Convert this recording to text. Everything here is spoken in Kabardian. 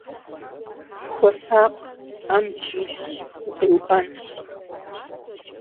Хуэсакъ, абдж илъщ, укъиуӏэнщ.